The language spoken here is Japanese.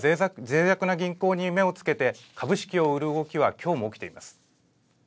市場がぜい弱な銀行に目をつけて株式を売る動きはきょうも起きています。